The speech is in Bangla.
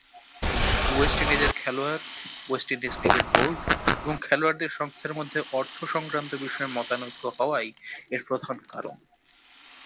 ওয়েস্ট ইন্ডিজের খেলায়াড়, ওয়েস্ট ইন্ডিজ ক্রিকেট বোর্ড এবং খেলোয়াড়দের সংস্থার মধ্যে অর্থ সংক্রান্ত বিষয়ে মতানৈক্য হওয়াই এর প্রধান কারণ।